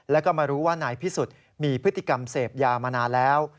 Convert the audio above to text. แล้วก็มารู้ว่านายพิสุทธิ์มีพฤติกรรมเสพยามานานแล้ว